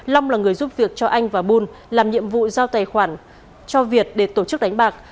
long là người giúp việc cho anh và bùn làm nhiệm vụ giao tài khoản cho việt để tổ chức đánh bạc